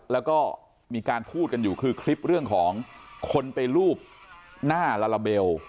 แล้วก็มีการพูดกันอยู่คือคลิปเรื่องของคนไปรูปหน้าลาลาเบล